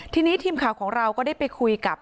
ทีนี้ทีมข่าวของเราก็ได้ไปคุยกับ